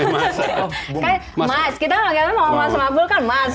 mas kita kayaknya mau ngasih makbul kan mas